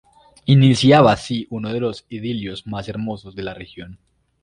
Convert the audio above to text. Iniciaba así uno de los idilios más hermosos de la región.